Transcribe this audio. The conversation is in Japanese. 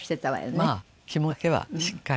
まあ気持ちだけはしっかり。